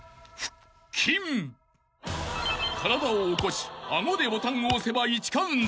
［体を起こし顎でボタンを押せば１カウント］